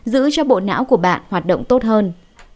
giữ cho bộ não của bạn hoạt động tốt hơn